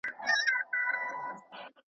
کبرجن د خدای ج دښمن دئ .